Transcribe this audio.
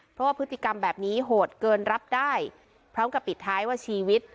เพราะว่าพฤติกรรมแบบนี้โหดเกินรับได้พร้อมกับปิดท้ายว่าชีวิต